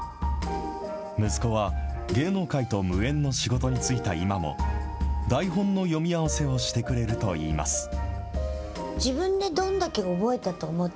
息子は芸能界と無縁の仕事に就いた今も、台本の読み合わせをしてくれるといいます。